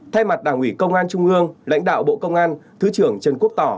thay mặt đảng ủy công an trung ương lãnh đạo bộ công an thứ trưởng trần quốc tỏ